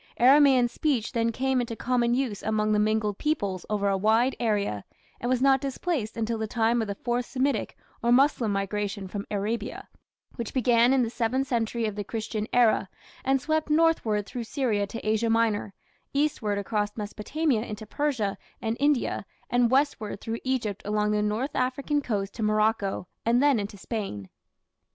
Aramaean speech then came into common use among the mingled peoples over a wide area, and was not displaced until the time of the Fourth Semitic or Moslem migration from Arabia, which began in the seventh century of the Christian era, and swept northward through Syria to Asia Minor, eastward across Mesopotamia into Persia and India, and westward through Egypt along the north African coast to Morocco, and then into Spain.